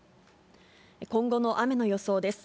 今後の雨の予想です。